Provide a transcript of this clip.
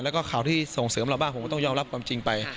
แล้วก็ข่าวที่ส่งเสริมเราบ้างผมก็ต้องยอมรับความจริงไป